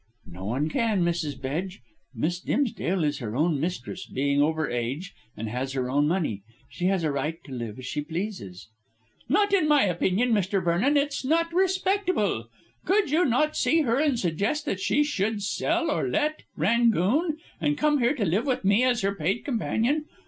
"No one can, Mrs. Bedge. Miss Dimsdale is her own mistress, being over age, and has her own money. She has a right to live as she pleases." "Not in my opinion, Mr. Vernon; it's not respectable. Could you not see her and suggest that she should sell or let, 'Rangoon' and come here to live with me as her paid companion?